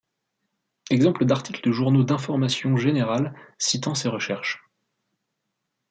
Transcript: Exemples d’articles de journaux d’informations générales citant ses recherches.